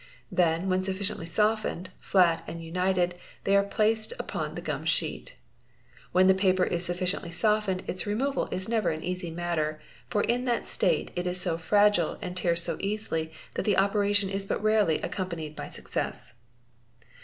Then, when sufficiently softened, flat, and united, — she are placed upon the gummed sheet. When the paper is sufficient softened its removal is never an easy matter, for in that state it is fragile and tears so easily that the operation is but rarely accompanie PRESERVING BURNT PAPER 481 'by success.